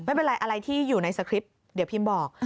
ไม่เป็นไรอะไรที่อยู่ในสคริปต์เดี๋ยวพิมพ์บอก